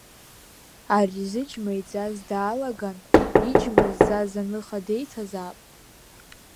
Ари, зыџьма иӡаз, даалаган, иџьма зӡаз аныха деиҭазаап…